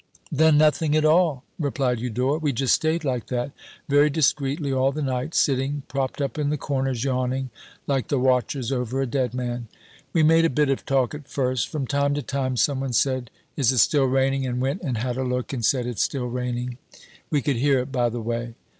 "Then? Nothing at all," replied Eudore. "We just stayed like that, very discreetly all the night sitting, propped up in the corners, yawning like the watchers over a dead man. We made a bit of talk at first. From time to time some one said, 'Is it still raining?' and went and had a look, and said, 'It's still raining' we could hear it, by the way.